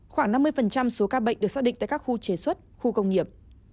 khoảng năm mươi số ca bệnh được xác định tại các khu chế xuất khu công nghiệp